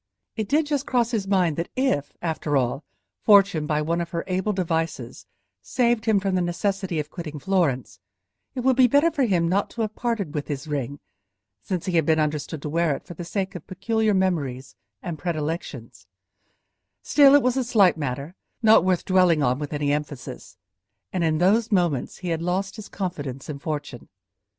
It did just cross his mind that if, after all, Fortune, by one of her able devices, saved him from the necessity of quitting Florence, it would be better for him not to have parted with his ring, since he had been understood to wear it for the sake of peculiar memories and predilections; still, it was a slight matter, not worth dwelling on with any emphasis, and in those moments he had lost his confidence in fortune.